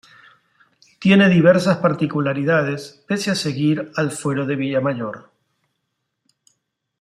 Tiene diversas particularidades, pese a seguir al Fuero de Villamayor.